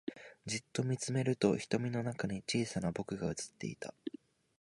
じっと見つめると瞳の中に小さな僕が映っていた